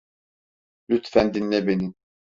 Lütfen dinle beni.